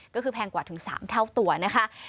ก็คือแพงกว่าถึง๓เท่าตัวนะคะ